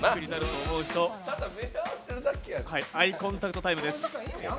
アイコンタクトタイムです。